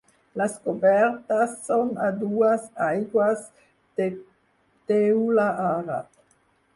Les cobertes són a dues aigües de teula àrab.